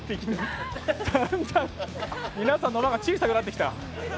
だんだん皆さんの輪が小さくなってきた。